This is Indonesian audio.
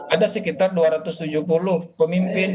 ada sekitar dua ratus tujuh puluh pemimpin yang dituju langsung